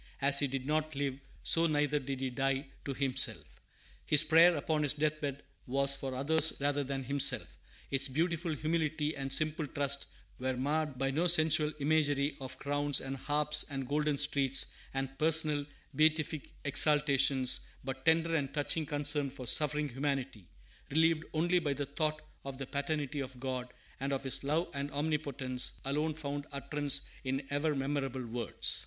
As he did not live, so neither did he die to himself. His prayer upon his death bed was for others rather than himself; its beautiful humility and simple trust were marred by no sensual imagery of crowns and harps and golden streets, and personal beatific exaltations; but tender and touching concern for suffering humanity, relieved only by the thought of the paternity of God, and of His love and omnipotence, alone found utterance in ever memorable words.